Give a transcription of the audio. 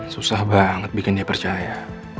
susah banget bikin dia percaya